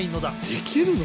できるの？